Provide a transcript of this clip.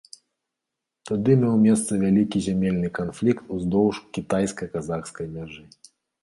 Тады меў месца вялікі зямельны канфлікт уздоўж кітайска-казахскай мяжы.